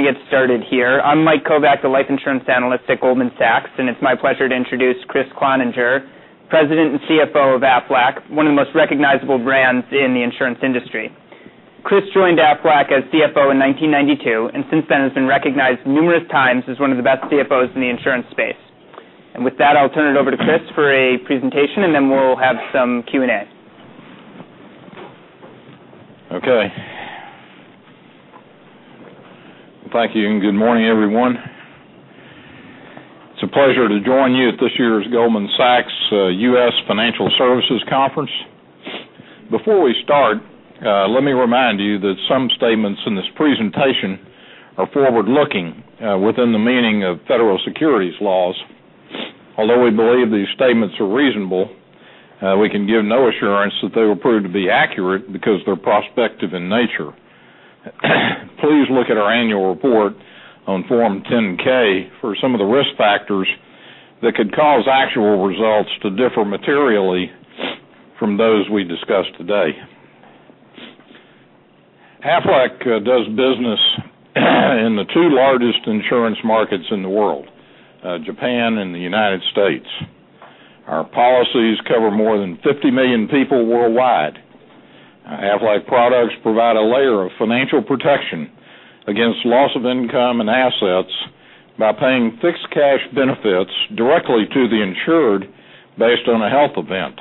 Get started here. I'm Mike Kovak, the life insurance analyst at Goldman Sachs. It's my pleasure to introduce Kriss Cloninger, President and CFO of Aflac, one of the most recognizable brands in the insurance industry. Kriss joined Aflac as CFO in 1992, since then has been recognized numerous times as one of the best CFOs in the insurance space. With that, I'll turn it over to Kriss for a presentation, then we'll have some Q&A. Okay. Thank you, and good morning, everyone. It's a pleasure to join you at this year's Goldman Sachs U.S. Financial Services Conference. Before we start, let me remind you that some statements in this presentation are forward-looking within the meaning of federal securities laws. Although we believe these statements are reasonable, we can give no assurance that they will prove to be accurate because they're prospective in nature. Please look at our annual report on Form 10-K for some of the risk factors that could cause actual results to differ materially from those we discuss today. Aflac does business in the two largest insurance markets in the world, Japan and the United States. Our policies cover more than 50 million people worldwide. Aflac products provide a layer of financial protection against loss of income and assets by paying fixed cash benefits directly to the insured based on a health event.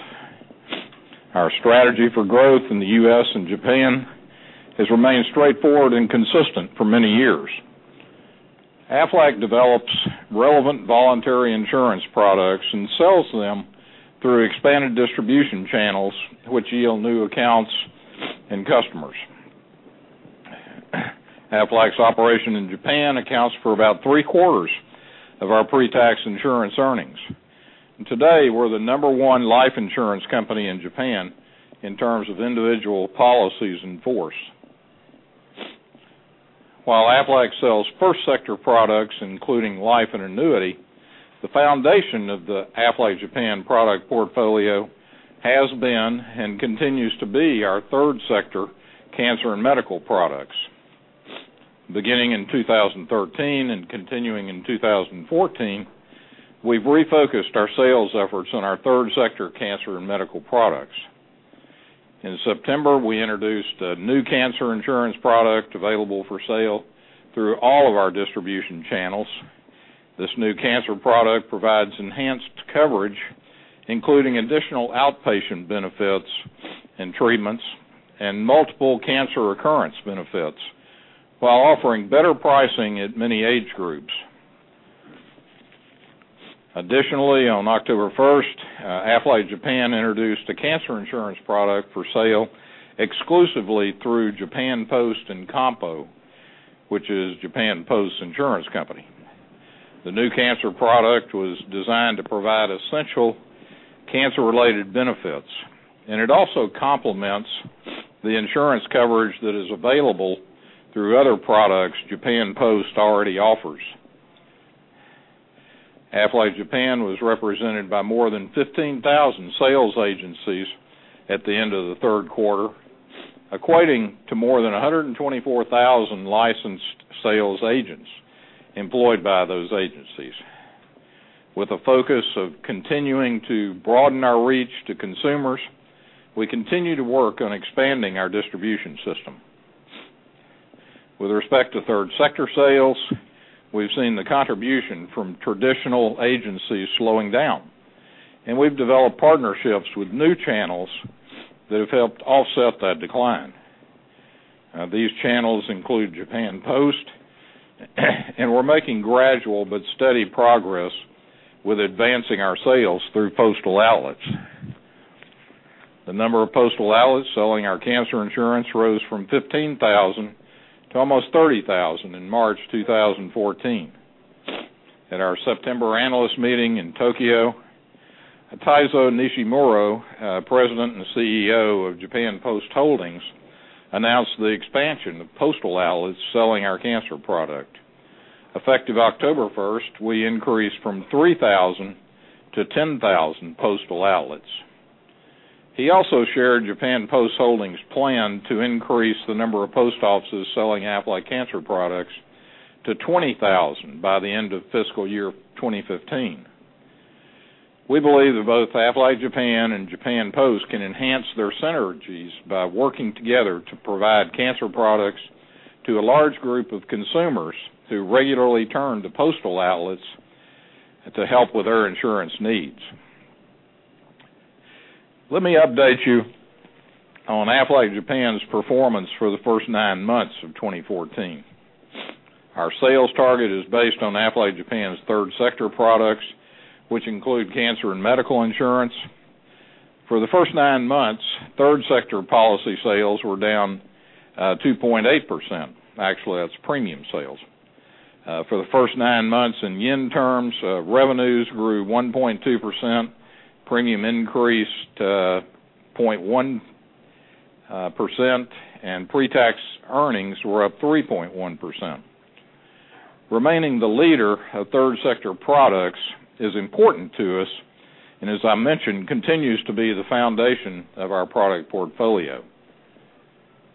Our strategy for growth in the U.S. and Japan has remained straightforward and consistent for many years. Aflac develops relevant voluntary insurance products and sells them through expanded distribution channels, which yield new accounts and customers. Aflac's operation in Japan accounts for about three-quarters of our pre-tax insurance earnings. Today, we're the number one life insurance company in Japan in terms of individual policies in force. While Aflac sells first sector products, including life and annuity, the foundation of the Aflac Japan product portfolio has been and continues to be our third sector, cancer and medical products. Beginning in 2013 and continuing in 2014, we've refocused our sales efforts on our third sector, cancer and medical products. In September, we introduced a new cancer insurance product available for sale through all of our distribution channels. This new cancer product provides enhanced coverage, including additional outpatient benefits and treatments and multiple cancer recurrence benefits, while offering better pricing at many age groups. Additionally, on October 1st, Aflac Japan introduced a cancer insurance product for sale exclusively through Japan Post and Kampo, which is Japan Post Insurance Company. The new cancer product was designed to provide essential cancer-related benefits. It also complements the insurance coverage that is available through other products Japan Post already offers. Aflac Japan was represented by more than 15,000 sales agencies at the end of the third quarter, equating to more than 124,000 licensed sales agents employed by those agencies. With a focus of continuing to broaden our reach to consumers, we continue to work on expanding our distribution system. With respect to third sector sales, we've seen the contribution from traditional agencies slowing down, and we've developed partnerships with new channels that have helped offset that decline. These channels include Japan Post, and we're making gradual but steady progress with advancing our sales through postal outlets. The number of postal outlets selling our cancer insurance rose from 15,000 to almost 30,000 in March 2014. At our September analyst meeting in Tokyo, Taizo Nishimuro, President and CEO of Japan Post Holdings, announced the expansion of postal outlets selling our cancer product. Effective October 1st, we increased from 3,000 to 10,000 postal outlets. He also shared Japan Post Holdings' plan to increase the number of post offices selling Aflac cancer products to 20,000 by the end of fiscal year 2015. We believe that both Aflac Japan and Japan Post can enhance their synergies by working together to provide cancer products to a large group of consumers who regularly turn to postal outlets to help with their insurance needs. Let me update you on Aflac Japan's performance for the first nine months of 2014. Our sales target is based on Aflac Japan's third sector products, which include cancer and medical insurance. For the first nine months, third sector policy sales were down 2.8%. Actually, that's premium sales. For the first nine months in yen terms, revenues grew 1.2%, premium increased 0.1%, and pre-tax earnings were up 3.1%. Remaining the leader of third sector products is important to us, and as I mentioned, continues to be the foundation of our product portfolio.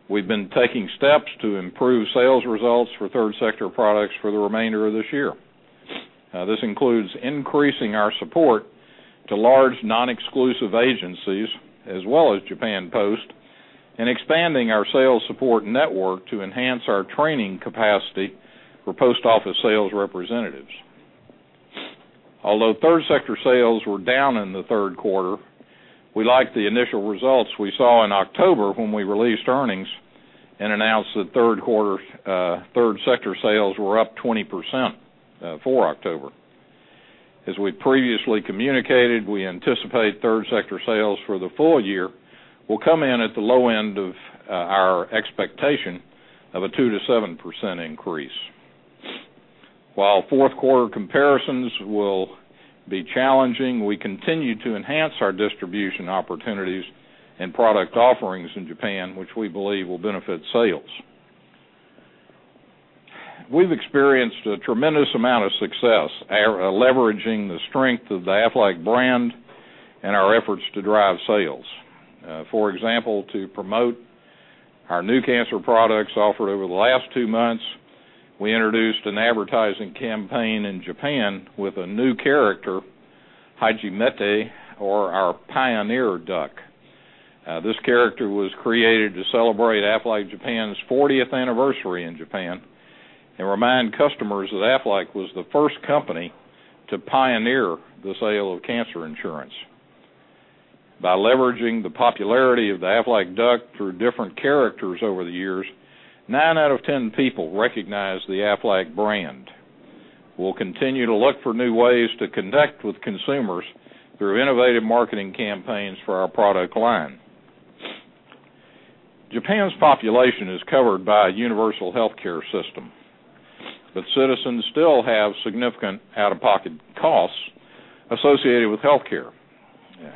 We've been taking steps to improve sales results for third sector products for the remainder of this year. This includes increasing our support to large non-exclusive agencies as well as Japan Post and expanding our sales support network to enhance our training capacity for post office sales representatives. Although third sector sales were down in the third quarter, we liked the initial results we saw in October when we released earnings and announced that third sector sales were up 20% for October. As we previously communicated, we anticipate third sector sales for the full year will come in at the low end of our expectation of a 2%-7% increase. While fourth quarter comparisons will be challenging, we continue to enhance our distribution opportunities and product offerings in Japan, which we believe will benefit sales. We've experienced a tremendous amount of success leveraging the strength of the Aflac brand and our efforts to drive sales. For example, to promote our new cancer products offered over the last two months, we introduced an advertising campaign in Japan with a new character, Hajimete, or our pioneer duck. This character was created to celebrate Aflac Japan's 40th anniversary in Japan and remind customers that Aflac was the first company to pioneer the sale of cancer insurance. By leveraging the popularity of the Aflac Duck through different characters over the years, nine out of 10 people recognize the Aflac brand. We'll continue to look for new ways to connect with consumers through innovative marketing campaigns for our product line. Japan's population is covered by a universal healthcare system, but citizens still have significant out-of-pocket costs associated with healthcare.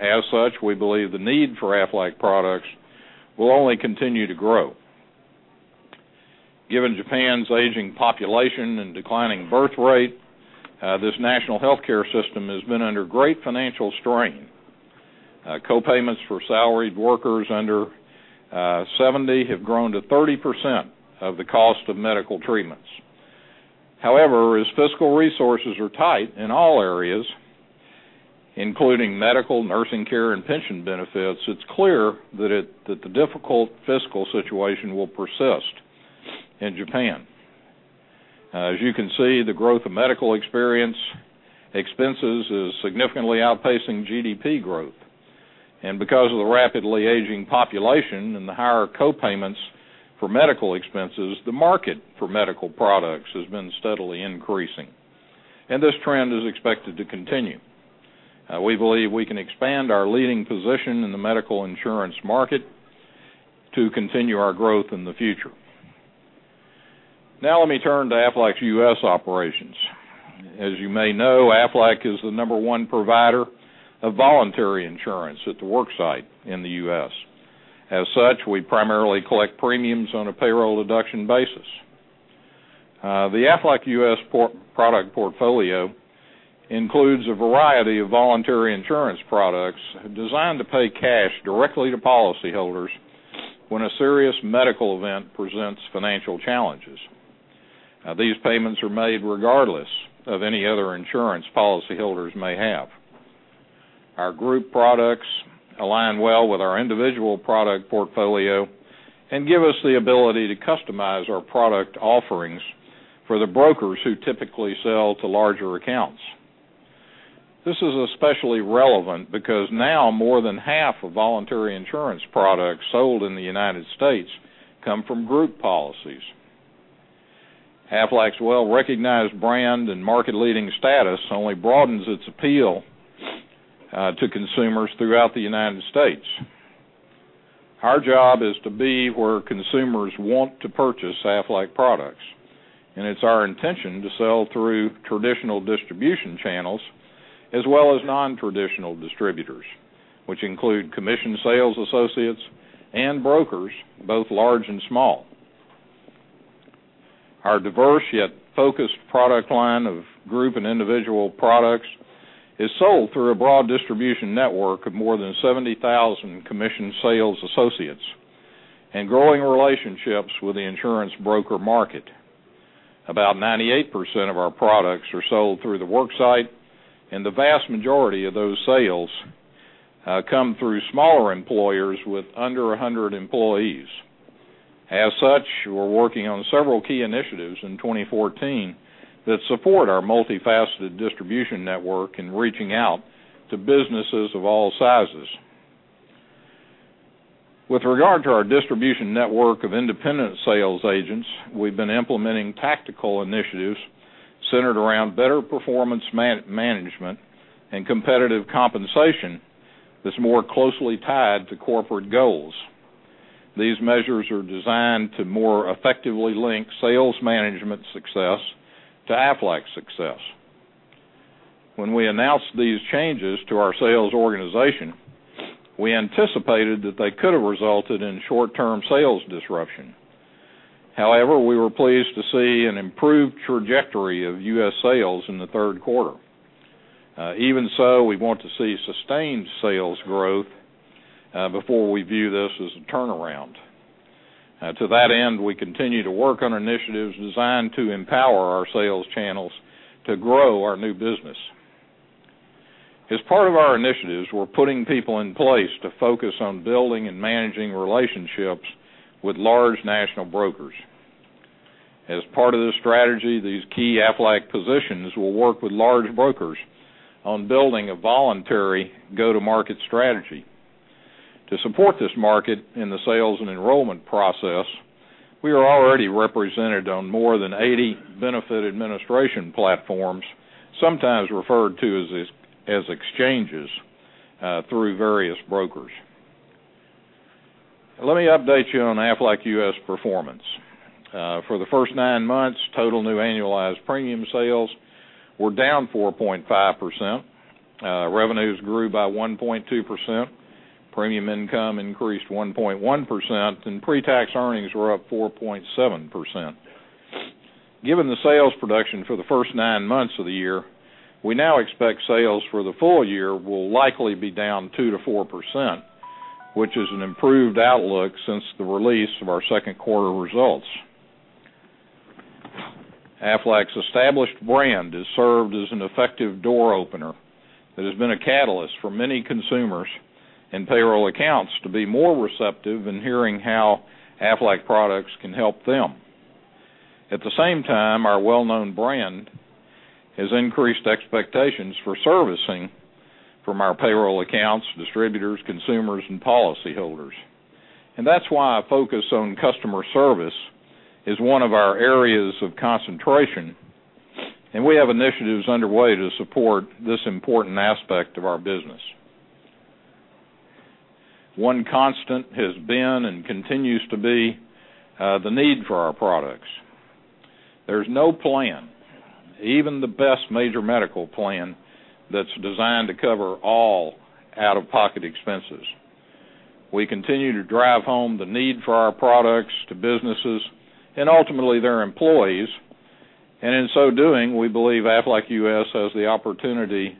As such, we believe the need for Aflac products will only continue to grow. Given Japan's aging population and declining birth rate, this national healthcare system has been under great financial strain. Co-payments for salaried workers under 70 have grown to 30% of the cost of medical treatments. However, as fiscal resources are tight in all areas, including medical, nursing care, and pension benefits, it's clear that the difficult fiscal situation will persist in Japan. As you can see, the growth of medical experience expenses is significantly outpacing GDP growth. Because of the rapidly aging population and the higher co-payments for medical expenses, the market for medical products has been steadily increasing, and this trend is expected to continue. We believe we can expand our leading position in the medical insurance market to continue our growth in the future. Now let me turn to Aflac's U.S. operations. As you may know, Aflac is the number one provider of voluntary insurance at the work site in the U.S. As such, we primarily collect premiums on a payroll deduction basis. The Aflac U.S. product portfolio includes a variety of voluntary insurance products designed to pay cash directly to policyholders when a serious medical event presents financial challenges. Now, these payments are made regardless of any other insurance policyholders may have. Our group products align well with our individual product portfolio and give us the ability to customize our product offerings for the brokers who typically sell to larger accounts. This is especially relevant because now more than half of voluntary insurance products sold in the United States come from group policies. Aflac's well-recognized brand and market-leading status only broadens its appeal to consumers throughout the United States. Our job is to be where consumers want to purchase Aflac products. It's our intention to sell through traditional distribution channels as well as non-traditional distributors, which include commission sales associates and brokers, both large and small. Our diverse yet focused product line of group and individual products is sold through a broad distribution network of more than 70,000 commissioned sales associates and growing relationships with the insurance broker market. About 98% of our products are sold through the work site, and the vast majority of those sales come through smaller employers with under 100 employees. As such, we're working on several key initiatives in 2014 that support our multifaceted distribution network in reaching out to businesses of all sizes. With regard to our distribution network of independent sales agents, we've been implementing tactical initiatives centered around better performance management and competitive compensation that's more closely tied to corporate goals. These measures are designed to more effectively link sales management success to Aflac's success. When we announced these changes to our sales organization, we anticipated that they could've resulted in short-term sales disruption. However, we were pleased to see an improved trajectory of U.S. sales in the third quarter. Even so, we want to see sustained sales growth before we view this as a turnaround. To that end, we continue to work on initiatives designed to empower our sales channels to grow our new business. As part of our initiatives, we're putting people in place to focus on building and managing relationships with large national brokers. As part of this strategy, these key Aflac positions will work with large brokers on building a voluntary go-to-market strategy. To support this market in the sales and enrollment process, we are already represented on more than 80 benefit administration platforms, sometimes referred to as exchanges, through various brokers. Let me update you on Aflac U.S. performance. For the first nine months, total new annualized premium sales were down 4.5%. Revenues grew by 1.2%, premium income increased 1.1%, and pre-tax earnings were up 4.7%. Given the sales production for the first nine months of the year, we now expect sales for the full year will likely be down 2%-4%, which is an improved outlook since the release of our second quarter results. Aflac's established brand has served as an effective door opener that has been a catalyst for many consumers and payroll accounts to be more receptive in hearing how Aflac products can help them. At the same time, our well-known brand has increased expectations for servicing from our payroll accounts, distributors, consumers, and policyholders. That's why a focus on customer service is one of our areas of concentration, and we have initiatives underway to support this important aspect of our business. One constant has been and continues to be the need for our products. There's no plan, even the best major medical plan, that's designed to cover all out-of-pocket expenses. We continue to drive home the need for our products to businesses and ultimately their employees. In so doing, we believe Aflac U.S. has the opportunity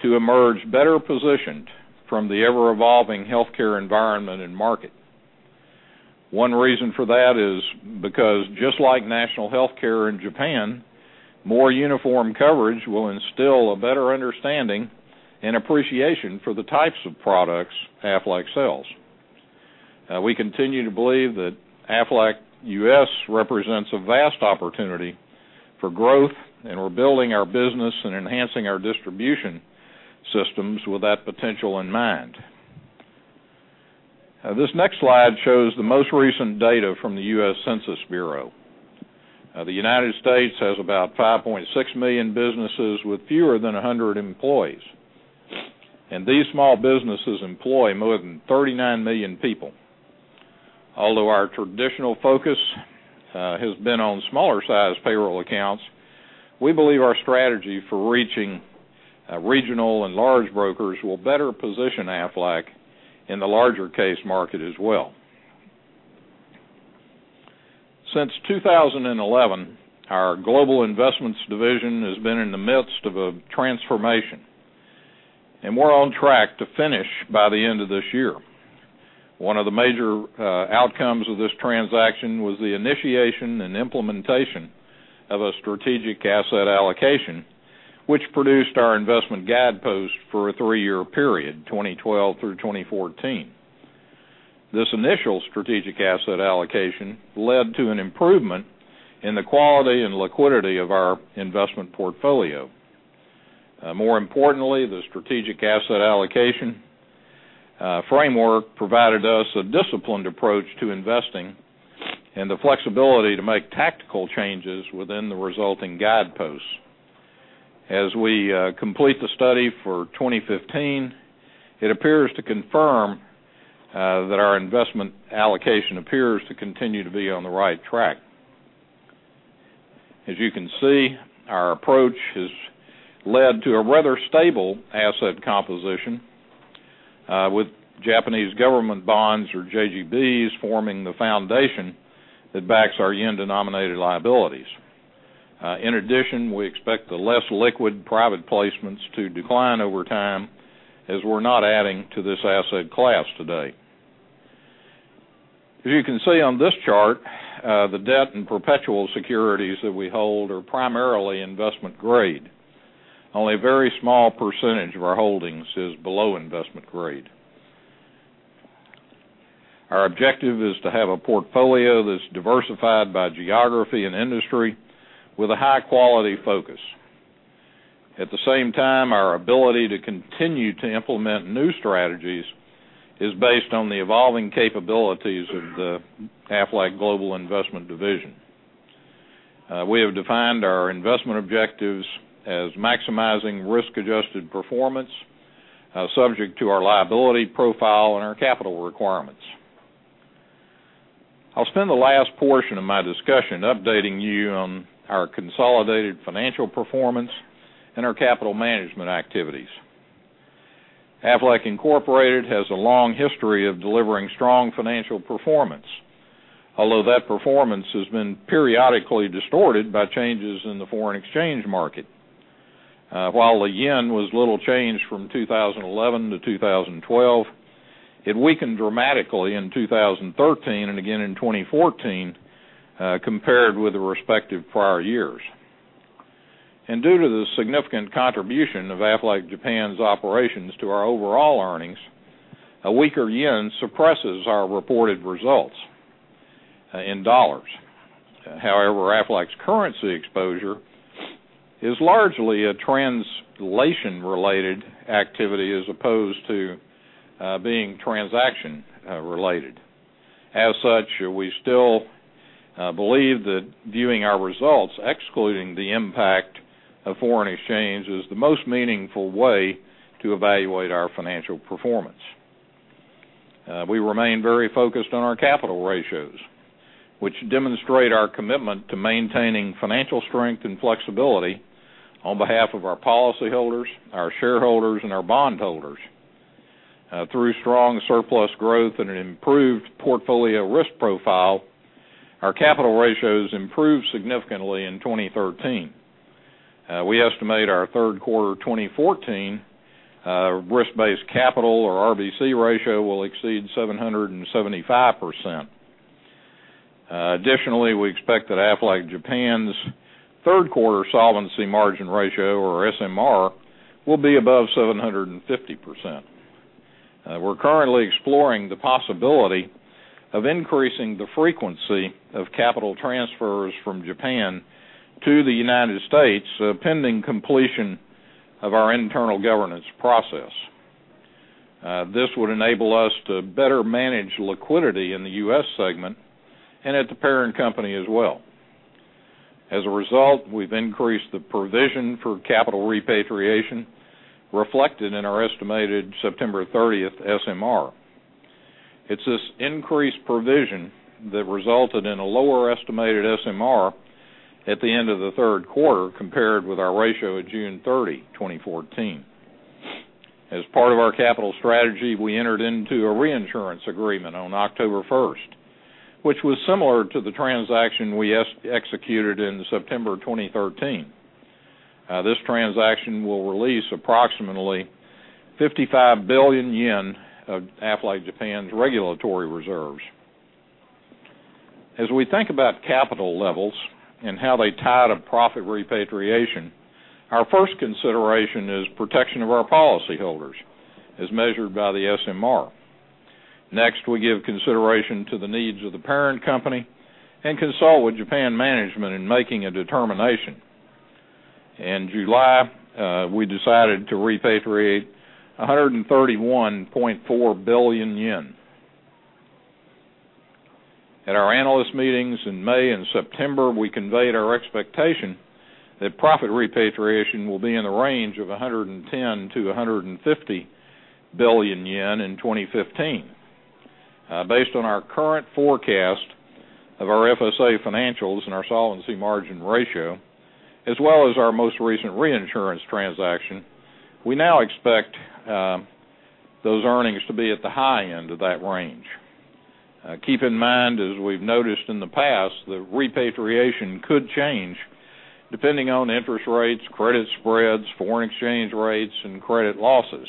to emerge better positioned from the ever-evolving healthcare environment and market. One reason for that is because just like national healthcare in Japan, more uniform coverage will instill a better understanding and appreciation for the types of products Aflac sells. We continue to believe that Aflac U.S. represents a vast opportunity for growth, and we're building our business and enhancing our distribution systems with that potential in mind. This next slide shows the most recent data from the U.S. Census Bureau. The United States has about 5.6 million businesses with fewer than 100 employees. These small businesses employ more than 39 million people. Although our traditional focus has been on smaller-sized payroll accounts, we believe our strategy for reaching regional and large brokers will better position Aflac in the larger case market as well. Since 2011, our Global Investments division has been in the midst of a transformation, and we're on track to finish by the end of this year. One of the major outcomes of this transaction was the initiation and implementation of a strategic asset allocation, which produced our investment guidepost for a three-year period, 2012 through 2014. This initial strategic asset allocation led to an improvement in the quality and liquidity of our investment portfolio. More importantly, the strategic asset allocation framework provided us a disciplined approach to investing and the flexibility to make tactical changes within the resulting guideposts. As we complete the study for 2015, it appears to confirm that our investment allocation appears to continue to be on the right track. As you can see, our approach has led to a rather stable asset composition, with Japanese Government Bonds or JGBs forming the foundation that backs our yen-denominated liabilities. In addition, we expect the less liquid private placements to decline over time, as we're not adding to this asset class today. As you can see on this chart, the debt and perpetual securities that we hold are primarily investment grade. Only a very small percentage of our holdings is below investment grade. Our objective is to have a portfolio that's diversified by geography and industry with a high-quality focus. At the same time, our ability to continue to implement new strategies is based on the evolving capabilities of the Aflac Global Investments division. We have defined our investment objectives as maximizing risk-adjusted performance, subject to our liability profile and our capital requirements. I'll spend the last portion of my discussion updating you on our consolidated financial performance and our capital management activities. Aflac Incorporated has a long history of delivering strong financial performance, although that performance has been periodically distorted by changes in the foreign exchange market. While the yen was little changed from 2011 to 2012, it weakened dramatically in 2013 and again in 2014 compared with the respective prior years. Due to the significant contribution of Aflac Japan's operations to our overall earnings, a weaker yen suppresses our reported results in dollars. However, Aflac's currency exposure is largely a translation related activity, as opposed to being transaction related. As such, we still believe that viewing our results, excluding the impact of foreign exchange, is the most meaningful way to evaluate our financial performance. We remain very focused on our capital ratios, which demonstrate our commitment to maintaining financial strength and flexibility on behalf of our policyholders, our shareholders, and our bondholders. Through strong surplus growth and an improved portfolio risk profile, our capital ratios improved significantly in 2013. We estimate our third quarter 2014 risk-based capital or RBC ratio will exceed 775%. Additionally, we expect that Aflac Japan's third quarter solvency margin ratio, or SMR, will be above 750%. We're currently exploring the possibility of increasing the frequency of capital transfers from Japan to the United States, pending completion of our internal governance process. This would enable us to better manage liquidity in the U.S. segment and at the parent company as well. As a result, we've increased the provision for capital repatriation reflected in our estimated September 30th SMR. It's this increased provision that resulted in a lower estimated SMR at the end of the third quarter, compared with our ratio at June 30, 2014. As part of our capital strategy, we entered into a reinsurance agreement on October first, which was similar to the transaction we executed in September 2013. This transaction will release approximately 55 billion yen of Aflac Japan's regulatory reserves. As we think about capital levels and how they tie to profit repatriation, our first consideration is protection of our policyholders as measured by the SMR. Next, we give consideration to the needs of the parent company and consult with Japan management in making a determination. In July, we decided to repatriate 131.4 billion yen. At our analyst meetings in May and September, we conveyed our expectation that profit repatriation will be in the range of 110 billion-150 billion yen in 2015. Based on our current forecast of our FSA financials and our solvency margin ratio, as well as our most recent reinsurance transaction, we now expect those earnings to be at the high end of that range. Keep in mind, as we've noticed in the past, that repatriation could change depending on interest rates, credit spreads, foreign exchange rates, and credit losses.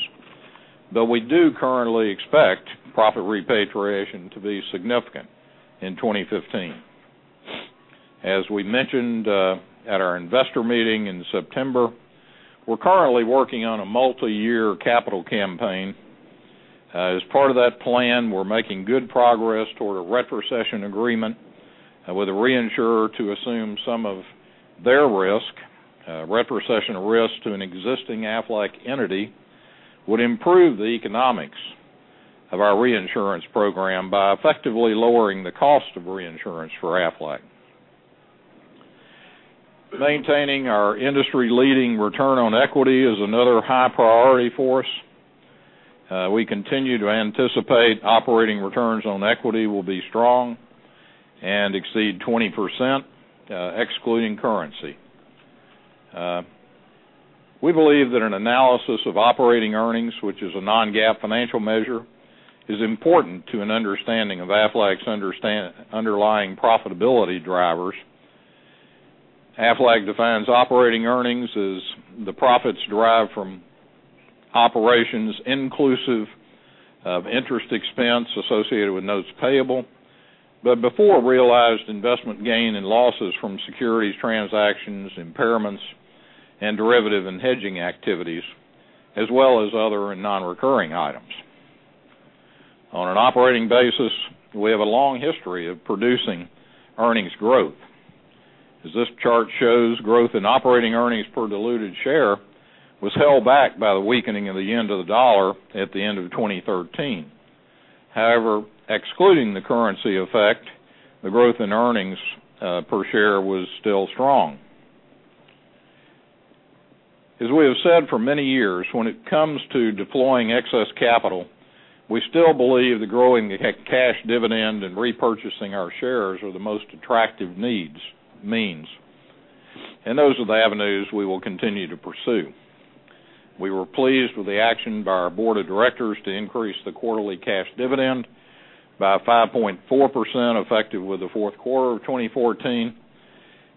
We do currently expect profit repatriation to be significant in 2015. As we mentioned at our investor meeting in September, we're currently working on a multi-year capital campaign. As part of that plan, we're making good progress toward a retrocession agreement with a reinsurer to assume some of their risk. Retrocession risk to an existing Aflac entity would improve the economics of our reinsurance program by effectively lowering the cost of reinsurance for Aflac. Maintaining our industry leading return on equity is another high priority for us. We continue to anticipate operating returns on equity will be strong and exceed 20%, excluding currency. We believe that an analysis of operating earnings, which is a non-GAAP financial measure, is important to an understanding of Aflac's underlying profitability drivers. Aflac defines operating earnings as the profits derived from operations inclusive of interest expense associated with notes payable, but before realized investment gain and losses from securities transactions, impairments, and derivative and hedging activities, as well as other and non-recurring items. On an operating basis, we have a long history of producing earnings growth. As this chart shows, growth in operating earnings per diluted share was held back by the weakening of the yen to the dollar at the end of 2013. Excluding the currency effect, the growth in earnings per share was still strong. As we have said for many years, when it comes to deploying excess capital, we still believe the growing cash dividend and repurchasing our shares are the most attractive means, and those are the avenues we will continue to pursue. We were pleased with the action by our board of directors to increase the quarterly cash dividend by 5.4% effective with the fourth quarter of 2014.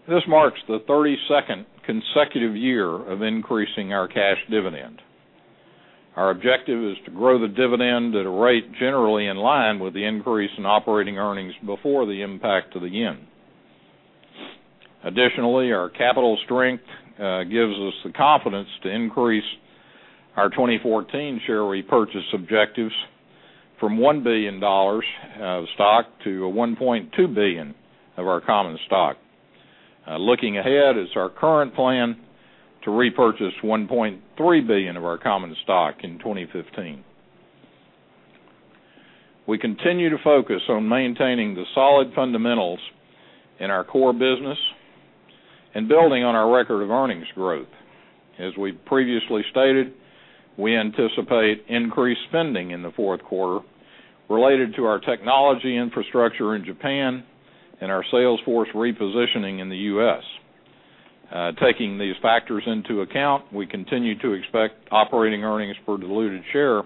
This marks the 32nd consecutive year of increasing our cash dividend. Our objective is to grow the dividend at a rate generally in line with the increase in operating earnings before the impact of the yen. Additionally, our capital strength gives us the confidence to increase our 2014 share repurchase objectives from $1 billion of stock to a $1.2 billion of our common stock. Looking ahead, it's our current plan to repurchase $1.3 billion of our common stock in 2015. We continue to focus on maintaining the solid fundamentals in our core business and building on our record of earnings growth. As we previously stated, we anticipate increased spending in the fourth quarter related to our technology infrastructure in Japan and our sales force repositioning in the U.S. Taking these factors into account, we continue to expect operating earnings per diluted share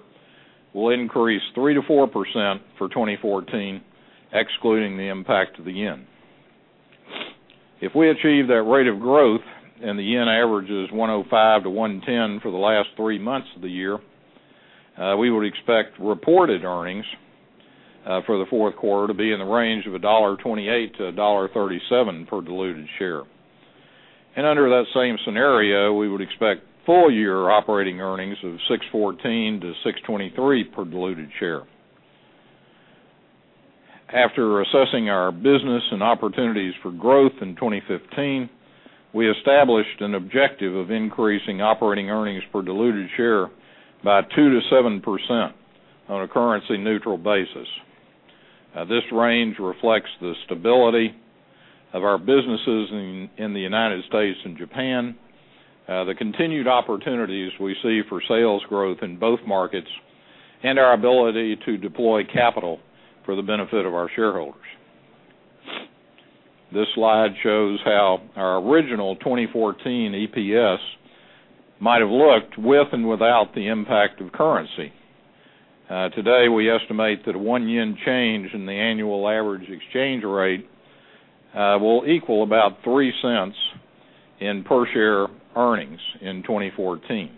will increase 3%-4% for 2014, excluding the impact of the yen. If we achieve that rate of growth and the yen averages 105 to 110 for the last three months of the year, we would expect reported earnings for the fourth quarter to be in the range of $1.28-$1.37 per diluted share. Under that same scenario, we would expect full year operating earnings of $6.14-$6.23 per diluted share. After assessing our business and opportunities for growth in 2015, we established an objective of increasing operating earnings per diluted share by 2%-7% on a currency-neutral basis. This range reflects the stability of our businesses in the U.S. and Japan, the continued opportunities we see for sales growth in both markets, and our ability to deploy capital for the benefit of our shareholders. This slide shows how our original 2014 EPS might have looked with and without the impact of currency. Today, we estimate that a JPY 1 change in the annual average exchange rate will equal about $0.03 in per-share earnings in 2014.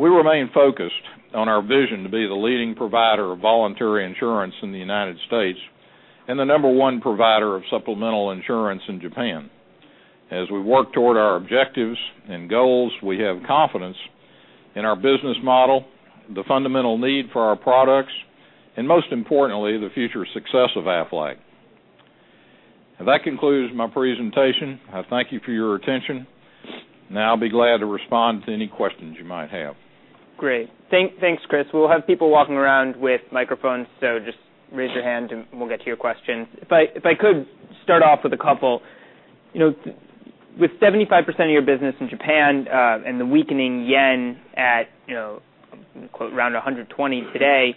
We remain focused on our vision to be the leading provider of voluntary insurance in the U.S. and the number one provider of supplemental insurance in Japan. As we work toward our objectives and goals, we have confidence in our business model, the fundamental need for our products, and most importantly, the future success of Aflac. That concludes my presentation. I thank you for your attention. I'll be glad to respond to any questions you might have. Great. Thanks, Kriss. We'll have people walking around with microphones, so just raise your hand and we'll get to your question. If I could start off with a couple. With 75% of your business in Japan and the weakening yen at quote, "around 120 today,"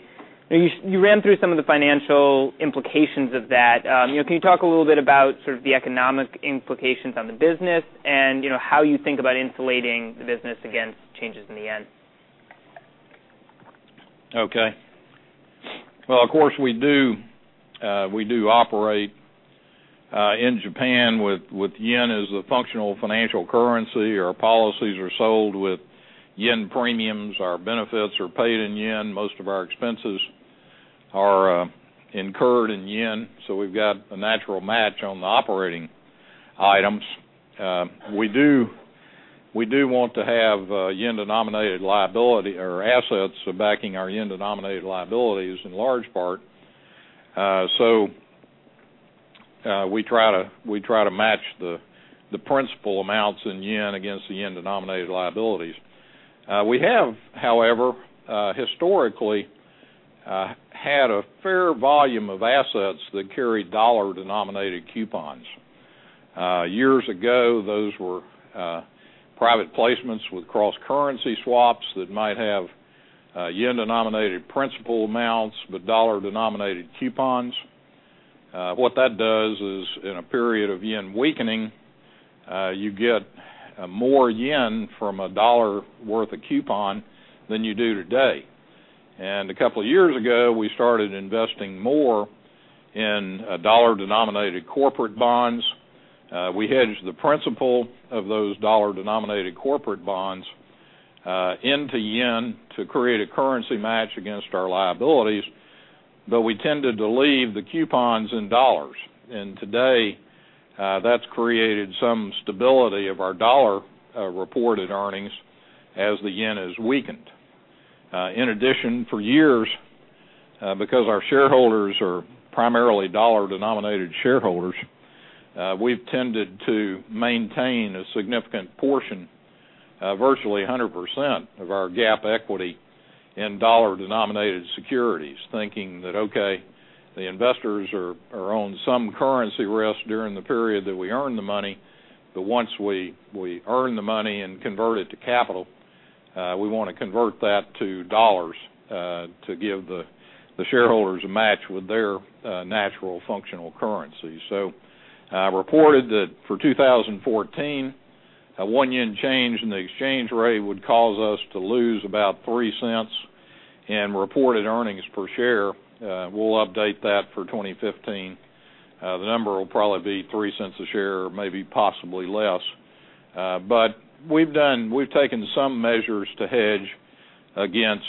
you ran through some of the financial implications of that. Can you talk a little bit about sort of the economic implications on the business and how you think about insulating the business against changes in the yen? Well, of course, we do operate in Japan with yen as the functional financial currency. Our policies are sold with yen premiums. Our benefits are paid in yen. Most of our expenses are incurred in yen. We've got a natural match on the operating items. We do want to have yen-denominated liability or assets backing our yen-denominated liabilities in large part. We try to match the principal amounts in yen against the yen-denominated liabilities. We have, however, historically, had a fair volume of assets that carry dollar-denominated coupons. Years ago, those were private placements with cross-currency swaps that might have yen-denominated principal amounts, but dollar-denominated coupons. What that does is in a period of yen weakening, you get more yen from a dollar worth of coupon than you do today. A couple of years ago, we started investing more in dollar-denominated corporate bonds. We hedge the principal of those JPY-denominated corporate bonds into JPY to create a currency match against our liabilities, but we tended to leave the coupons in dollars. Today, that's created some stability of our dollar reported earnings as the JPY has weakened. In addition, for years, because our shareholders are primarily dollar-denominated shareholders, we've tended to maintain a significant portion Virtually 100% of our GAAP equity in dollar-denominated securities, thinking that, okay, the investors are on some currency risk during the period that we earn the money, but once we earn the money and convert it to capital, we want to convert that to dollars to give the shareholders a match with their natural functional currency. I reported that for 2014, a 1 yen change in the exchange rate would cause us to lose about $0.03 in reported earnings per share. We'll update that for 2015. The number will probably be $0.03 a share, or maybe possibly less. We've taken some measures to hedge against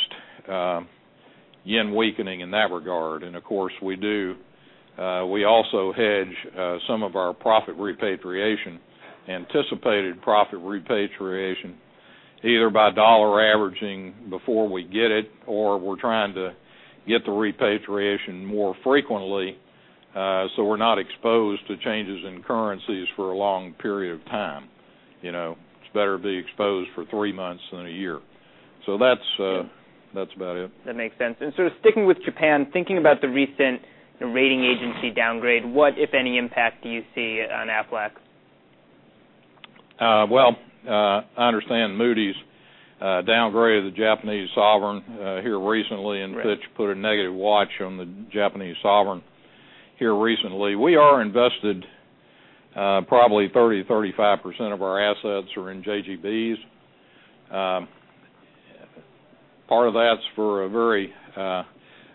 JPY weakening in that regard. Of course, we also hedge some of our anticipated profit repatriation, either by dollar averaging before we get it, or we're trying to get the repatriation more frequently, so we're not exposed to changes in currencies for a long period of time. It's better to be exposed for 3 months than a year. That's about it. That makes sense. Sticking with Japan, thinking about the recent rating agency downgrade, what, if any, impact do you see on Aflac? Well, I understand Moody's downgraded the Japanese sovereign here recently, and Fitch put a negative watch on the Japanese sovereign here recently. We are invested, probably 30%-35% of our assets are in JGBs. Part of that's for a very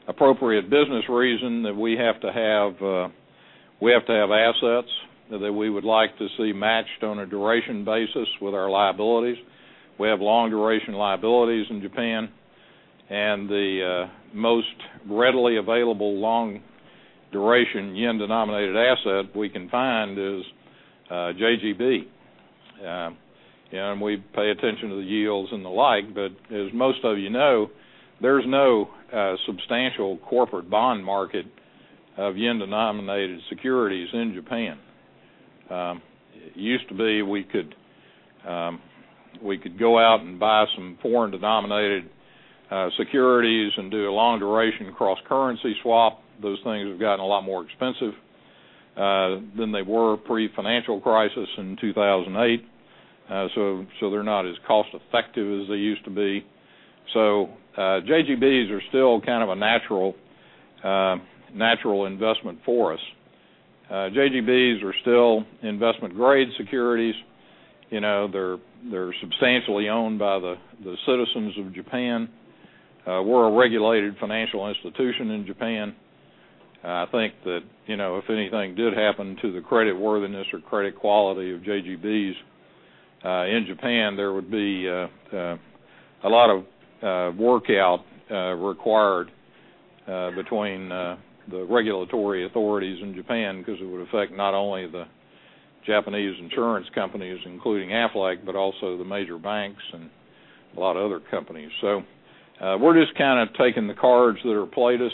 appropriate business reason that we have to have assets that we would like to see matched on a duration basis with our liabilities. We have long duration liabilities in Japan, and the most readily available long duration JPY-denominated asset we can find is JGB. We pay attention to the yields and the like, but as most of you know, there's no substantial corporate bond market of JPY-denominated securities in Japan. It used to be we could go out and buy some foreign-denominated securities and do a long duration cross-currency swap. Those things have gotten a lot more expensive than they were pre-financial crisis in 2008. They're not as cost-effective as they used to be. JGBs are still kind of a natural investment for us. JGBs are still investment-grade securities. They're substantially owned by the citizens of Japan. We're a regulated financial institution in Japan. I think that if anything did happen to the credit worthiness or credit quality of JGBs in Japan, there would be a lot of workout required between the regulatory authorities in Japan because it would affect not only the Japanese insurance companies, including Aflac, but also the major banks and a lot of other companies. We're just kind of taking the cards that are played us.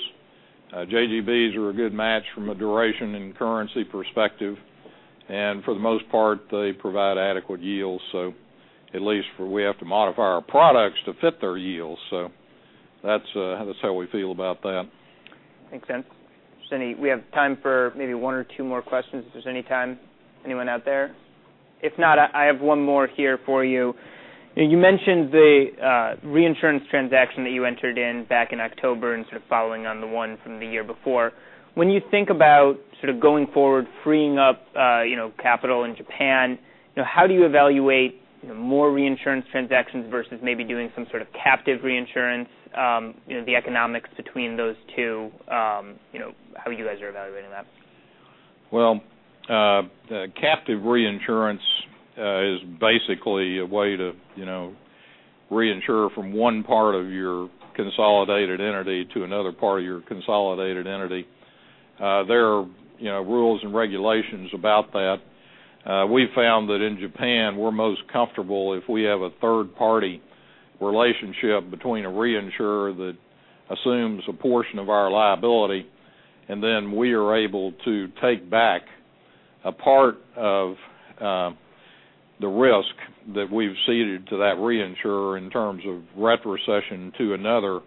JGBs are a good match from a duration and currency perspective, and for the most part, they provide adequate yields, so at least for we have to modify our products to fit their yields. That's how we feel about that. Makes sense. We have time for maybe one or two more questions if there's any time. Anyone out there? If not, I have one more here for you. You mentioned the reinsurance transaction that you entered in back in October and sort of following on the one from the year before. When you think about going forward, freeing up capital in Japan, how do you evaluate more reinsurance transactions versus maybe doing some sort of captive reinsurance, the economics between those two, how you guys are evaluating that? Well, captive reinsurance is basically a way to reinsure from one part of your consolidated entity to another part of your consolidated entity. There are rules and regulations about that. We've found that in Japan, we're most comfortable if we have a third-party relationship between a reinsurer that assumes a portion of our liability, and then we are able to take back a part of the risk that we've ceded to that reinsurer in terms of retrocession to another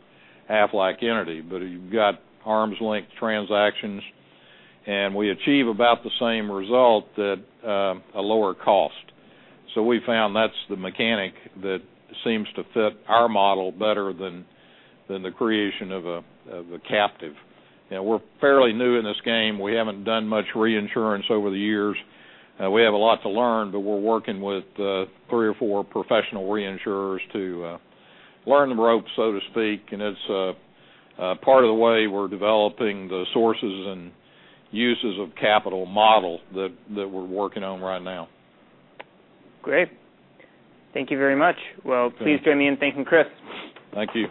Aflac entity. You've got arm's length transactions, and we achieve about the same result at a lower cost. We found that's the mechanic that seems to fit our model better than the creation of a captive. We're fairly new in this game. We haven't done much reinsurance over the years. We have a lot to learn, but we're working with three or four professional reinsurers to learn the ropes, so to speak, and it's a part of the way we're developing the sources and uses of capital model that we're working on right now. Great. Thank you very much. Well, please join me in thanking Kriss. Thank you.